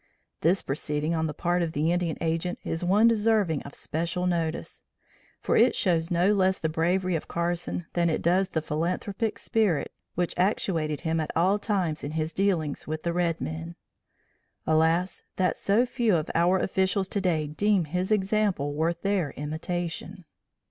This proceeding on the part of the Indian Agent is one deserving of special notice, for it shows no less the bravery of Carson than it does the philanthropic spirit which actuated him at all times in his dealings with the red men. Alas, that so few of our officials today deem his example worth their imitation.